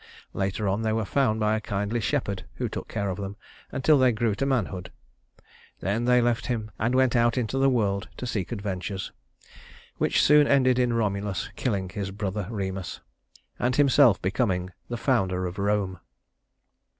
Later on they were found by a kindly shepherd who took care of them until they grew to manhood. Then they left him, and went out into the world to seek adventures, which soon ended in Romulus killing his brother Remus and himself becoming the founder of Rome.